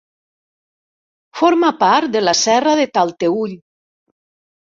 Forma part de la Serra de Talteüll.